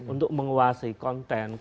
untuk menguasai konten